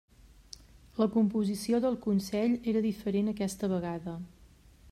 La composició del consell era diferent aquesta vegada.